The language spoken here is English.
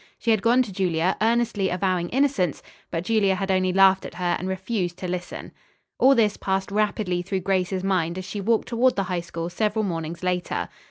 She had gone to Julia, earnestly avowing innocence, but Julia had only laughed at her and refused to listen. All this passed rapidly through Grace's mind as she walked toward the High School several mornings later.